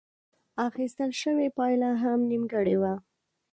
اخيستل شوې پايله هم نيمګړې وه.